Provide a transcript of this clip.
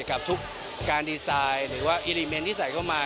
กับทุกการดีไซน์หรือว่าอีรีเมนต์ที่ใส่เข้ามา